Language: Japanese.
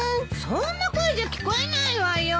そんな声じゃ聞こえないわよ！